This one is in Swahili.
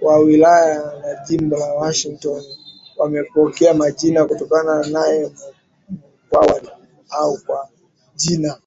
wa wilaya na jimbo la Washington vimepokea majina kutokana nayeMkwawa au kwa jina